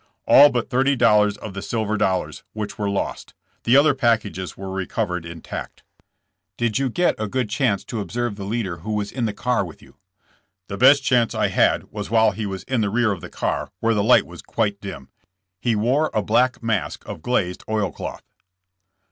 *'A11 but thirty dollars of the silver dollars, which were lost. The other packages were recovered intact. '' 154 JKSSE JAMES. Did you get a good chance to observe the leader who was in the car with you ?'* "The best chance I had was while he was in the rear of the car, where the light was quite dim. He wore a black mask of glazed oilcloth."